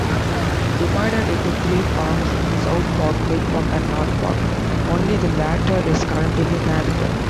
Divided into three farms, Southpark, Midpark and Northpark, only the latter is currently inhabited.